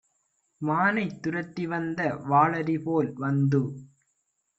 மானைத் துரத்திவந்த வாளரிபோல் வந்து